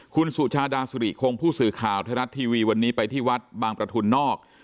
คุณสุชาดาสุริคงผู้สื่อข่าวไทยรัฐทีวีวันนี้ไปที่วัดบางประทุนนอก